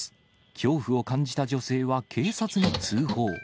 恐怖を感じた女性は警察に通報。